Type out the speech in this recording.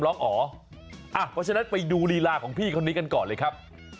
เพราะฉะนั้นไปดูลีลาของพี่คนนี้กันก่อนเลยครับ